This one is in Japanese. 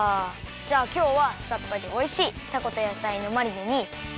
じゃあきょうはさっぱりおいしいたことやさいのマリネにきまり！